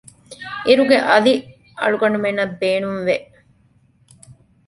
އިރުގެ އަލި އަޅުގަނޑުމެންނަށް ބޭނުން ވެ